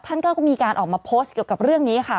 ท่านก็มีการออกมาโพสต์เกี่ยวกับเรื่องนี้ค่ะ